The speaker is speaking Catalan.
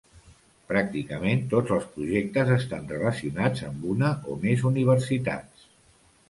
Pràcticament tots els projectes estan relacionats amb una o més universitats.